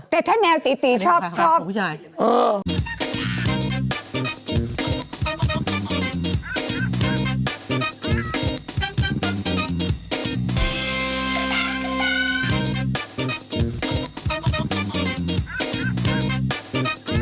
แต่แท่แมวตีชอบ